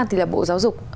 thì là bộ giáo dục